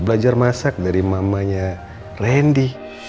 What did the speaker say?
belajar masak dari mamanya randy